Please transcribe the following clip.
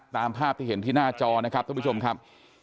ตามภาพที่เห็นที่หน้าจอนะครับท่านผู้ชมครับ